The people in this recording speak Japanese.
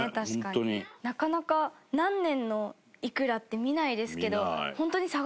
なかなか、何年の、いくらって見ないですけど。